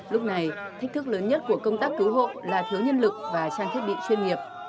lúc này thách thức lớn nhất của công tác cứu hộ là thiếu nhân lực và trang thiết bị chuyên nghiệp